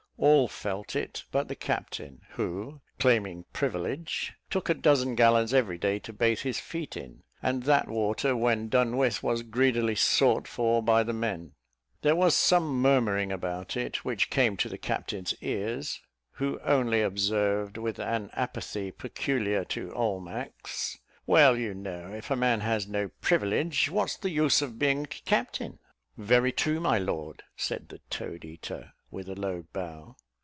All felt it but the captain; who, claiming privilege, took a dozen gallons every day to bathe his feet in, and that water, when done with, was greedily sought for by the men. There was some murmuring about it, which came to the captain's ears, who only observed, with an apathy peculiar to Almack's, "Well, you know, if a man has no privilege, what's the use of being a captain?" "Very true, my lord," said the toad eater, with a low bow.